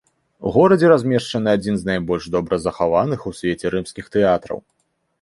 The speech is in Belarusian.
У горадзе размешчаны адзін з найбольш добра захаваных у свеце рымскіх тэатраў.